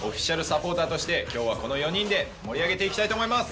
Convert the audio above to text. として今日はこの４人で盛り上げていきたいと思います。